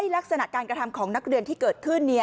ลักษณะการกระทำของนักเรียนที่เกิดขึ้น